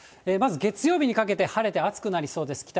まず月曜日にかけて晴れて暑くなりそうです。